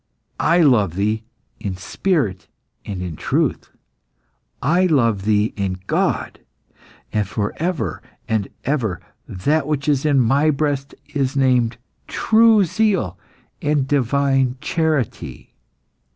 I love thee in spirit and in truth; I love thee in God, and for ever and ever; that which is in my breast is named true zeal and divine charity.